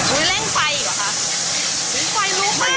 อุ้ยเร่งไฟอีกวะคะ